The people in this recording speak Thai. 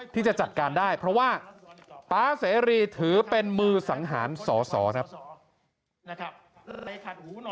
ที่จะจัดการได้เพราะว่าป๊าเสรีถือเป็นมือสังหารสอสอครับ